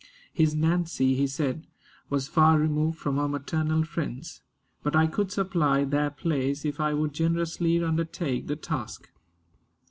His Nancy, he said, was far removed from her maternal friends, but I could supply their place if I would generously undertake the task.